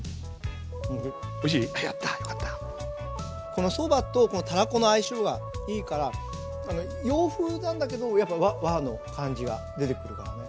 このそばとたらこの相性がいいから洋風なんだけどやっぱ和の感じが出てくるんだね。